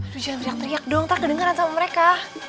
jangan teriak teriak dong tak kedengaran sama mereka